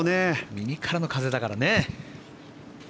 右からの風だからね。